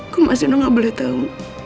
kau mas eno nggak boleh tau